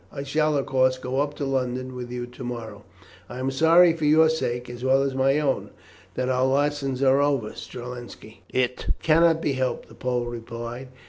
I shall, of course, go up to London with you to morrow." "I am sorry for your sake, as well as my own, that our lessons are over, Strelinski." "It cannot be helped," the Pole replied.